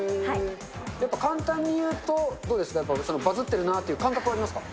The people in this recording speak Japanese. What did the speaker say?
やっぱり簡単に言うと、どうですか、バズってるなっていう感覚はありますか？